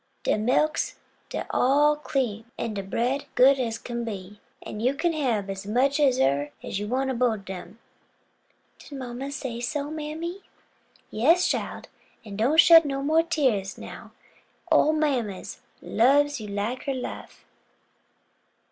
"De milk's mos' all cream, an' de bread good as kin be: an' you kin hab much as eber you want ob both ob dem." "Did mamma say so, mammy?" "Yes, chile; an' don't shed no mo' dose tears now; ole mammy lubs you like her life."